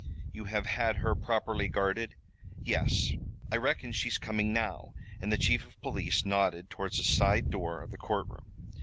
"You have had her properly guarded?" "Yes. I reckon she's coming now," and the chief of police nodded towards a side door of the courtroom.